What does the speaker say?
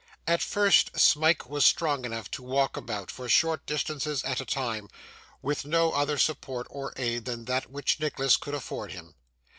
At first, Smike was strong enough to walk about, for short distances at a time, with no other support or aid than that which Nicholas could afford him.